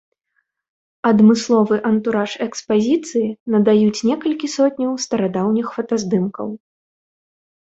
Адмысловы антураж экспазіцыі надаюць некалькі сотняў старадаўніх фотаздымкаў.